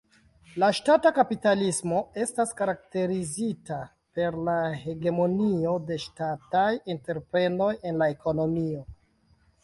La Ŝtata kapitalismo estas karakterizita per la hegemonio de ŝtataj entreprenoj en la ekonomio.